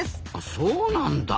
そうなんだ。